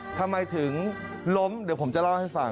ทำไมถึงล้มเดี๋ยวผมจะเล่าให้ฟัง